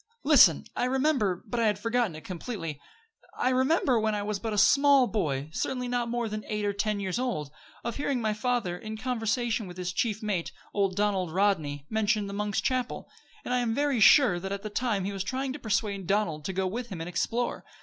"Listen; I remember but I had forgotten it completely I remember, when I was but a small boy certainly not more than eight or ten years old of hearing my father, in conversation with his chief mate, old Donald Rodney, mention the Monk's Chapel; and I am very sure that at that time he was trying to persuade Donald to go with him and explore.